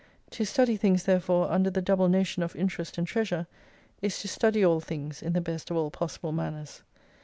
To study things there fore under the double notion of interest and treasure, is to study all things in the best of all possible manners.